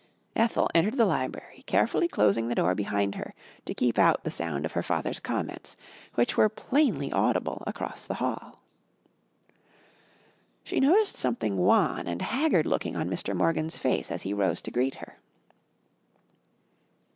Ethel entered the library, carefully closing the door behind her to keep out the sound of her father's comments, which were plainly audible across the hall. She noticed something wan and haggard looking on Mr. Morgan's face as he rose to greet her.